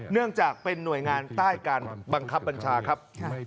เนื่องจากเป็นหน่วยงานใต้การบังคับบัญชาครับ